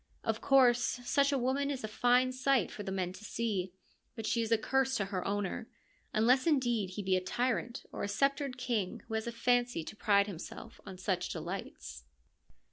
Of course, such a woman is a fine sight for the men to see, but she is a curse to her owner, unless indeed he be a tyrant or sceptred king who has a fancy to pride himself on such delights.